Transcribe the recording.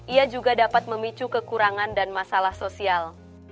ia juga dapat memicu kekurangan dan masalah sosial